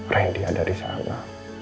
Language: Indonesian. randy ada di sana